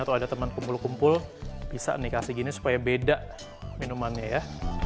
atau ada teman kumpul kumpul bisa nih kasih gini supaya beda minumannya ya